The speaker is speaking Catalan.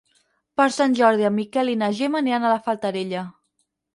Per Sant Jordi en Miquel i na Gemma aniran a la Fatarella.